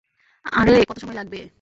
আরে কত সময় লাগবে!